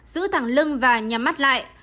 giữ thẳng lưng và nhắm mắt lại